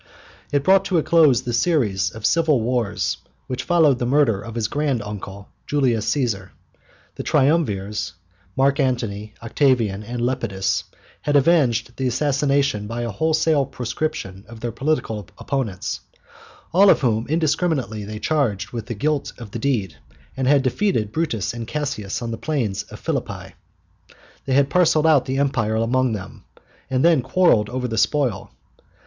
It brought to a close the series of civil wars which followed the murder of his grand uncle, Julius Cæsar. The triumvirs, Mark Antony, Octavian, and Lepidus, had avenged the assassination by a wholesale proscription of their political opponents, all of whom indiscriminately they charged with the guilt of the deed; and had defeated Brutus and Cassius on the plains of Philippi. They had parcelled out the Empire among them, and then quarrelled over the spoil.